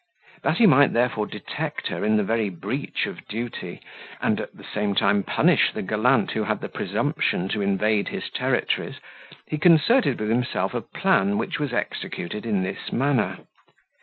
That he might therefore detect her in the very breach of duty, and at the same time punish the gallant who had the presumption to invade his territories, he concerted with himself a plan which was executed in this manner.